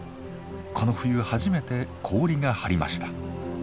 この冬初めて氷が張りました。